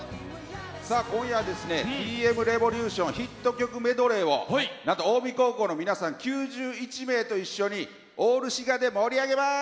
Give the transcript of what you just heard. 今夜はＴ．Ｍ．Ｒｅｖｏｌｕｔｉｏｎヒット曲メドレーをなんと近江高校の皆さん９１名と一緒にオール滋賀で盛り上げます！